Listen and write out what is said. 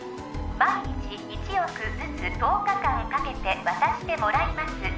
毎日１億ずつ１０日間かけて渡してもらいます